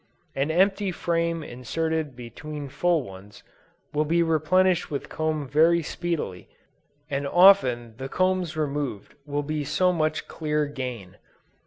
An empty frame inserted between full ones, will be replenished with comb very speedily, and often the combs removed will be so much clear gain.